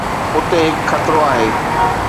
اتي هڪ خطرو آهي.